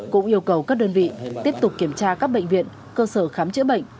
cũng yêu cầu các đơn vị tiếp tục kiểm tra các bệnh viện cơ sở khám chữa bệnh